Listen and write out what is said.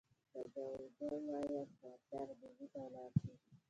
شجاع الدوله وایي احمدشاه به ډهلي ته ولاړ شي.